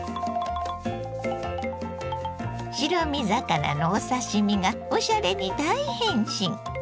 白身魚のお刺身がおしゃれに大変身。